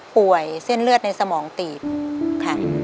เส้นเลือดในสมองตีบค่ะ